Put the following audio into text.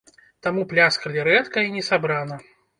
Таму пляскалі рэдка і несабрана.